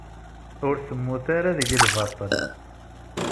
Ur temmut ara deg lbaṭel.